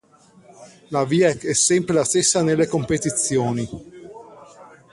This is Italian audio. La via è sempre la stessa nelle competizioni.